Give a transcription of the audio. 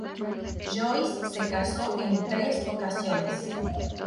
Joyce se casó en tres ocasiones.